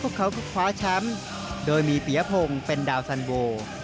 พวกเขาก็คว้าช้ำโดยมีเปียพงศ์เป็นดาวสันโบ